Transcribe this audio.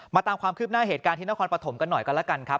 ตามความคืบหน้าเหตุการณ์ที่นครปฐมกันหน่อยกันแล้วกันครับ